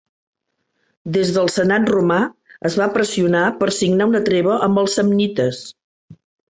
Des del senat romà es va pressionar per signar una treva amb els samnites.